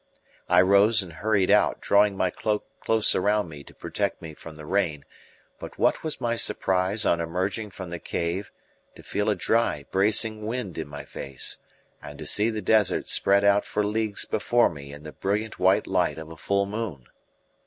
I rose and hurried out, drawing my cloak close around me to protect me from the rain; but what was my surprise on emerging from the cave to feel a dry, bracing wind in my face and to see the desert spread out for leagues before me in the brilliant white light of a full moon!